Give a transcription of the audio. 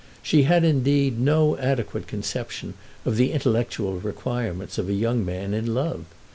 She had indeed no adequate conception of the intellectual requirements of a young man in love.